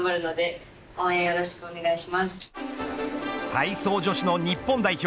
体操女子の日本代表